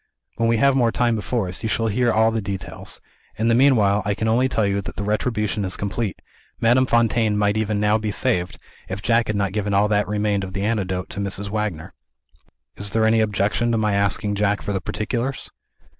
When we have more time before us, you shall hear the details. In the meanwhile, I can only tell you that the retribution is complete. Madame Fontaine might even now be saved, if Jack had not given all that remained of the antidote to Mrs. Wagner. "Is there any objection to my asking Jack for the particulars?"